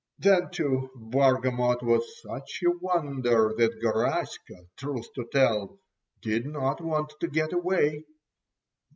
Then, too, Bargamot was such a wonder that Garaska, truth to tell, did not want to get away.